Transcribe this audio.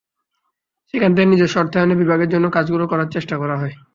সেখান থেকে নিজস্ব অর্থায়নে বিভাগের অন্য কাজগুলো করার চেষ্টা করা হয়।